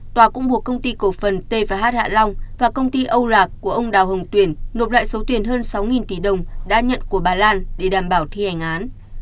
tòa cũng buộc công ty cổ phần t hạ long và công ty âu rạc của ông đào hồng tuyển nộp lại số tiền hơn sáu tỷ đồng đã nhận của bà lan để đảm bảo thi hành án